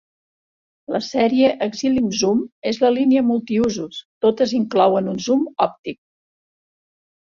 La sèrie 'Exilim Zoom' és la línia multiusos, totes inclouen un zoom òptic.